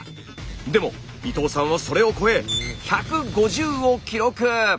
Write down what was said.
でも伊藤さんはそれを超え１５０を記録。